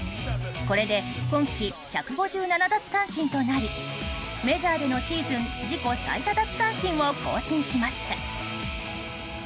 これで今季１５７奪三振となりメジャーでのシーズン自己最多奪三振を更新しました。